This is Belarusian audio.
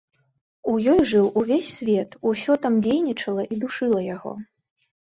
У ёй жыў увесь свет, усё там дзейнічала і душыла яго.